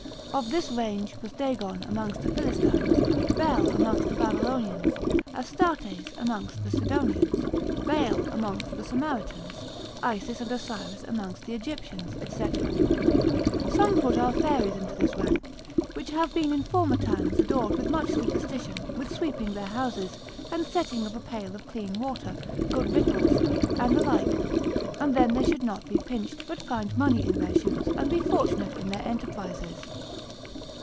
Of this range was Dagon amongst the Philistines, Bel amongst the Babylonians, Astartes amongst the Sidonians, Baal amongst the Samaritans, Isis and Osiris amongst the Egyptians, &c. some put our fairies into this rank, which have been in former times adored with much superstition, with sweeping their houses, and setting of a pail of clean water, good victuals, and the like, and then they should not be pinched, but find money in their shoes, and be fortunate in their enterprises.